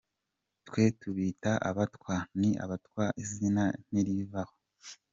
Twe tubita Abatwa, ni Abatwa izina ntirivaho.